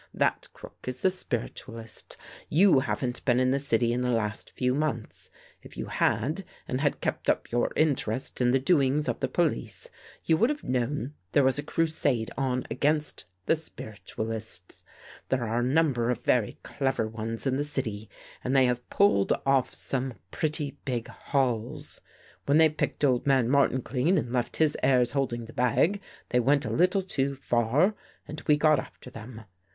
That crook is the spiritualist. You haven't been in the city the last few months. If you had, and had kept up your interest in the doings of the police, you would have known there was a crusade on against the spiritualists. There are a number of very clever ones in the city and they have pulled off some 8i THE GHOST GIRL pretty big hauls. When they picked old man Mar tin clean and left his heirs holding the bag, they went a little too far and we got after them.